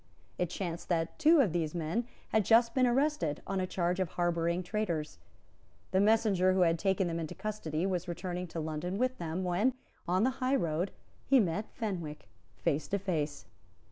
It chanced that two of these men had just been arrested on a charge of harbouring traitors. The messenger who had taken them into custody was returning to London with them, when, on the high road, he met Fenwick face to face.